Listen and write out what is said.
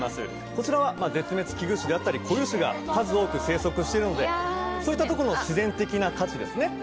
こちらは絶滅危惧種であったり固有種が数多く生息してるのでそういったとこの自然的な価値ですね